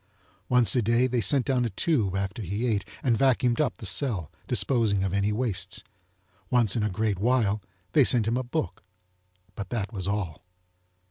Once a day they sent down a tube after he ate and vacuumed up the cell, disposing of any wastes. Once in a great while they sent him a book, but that was all.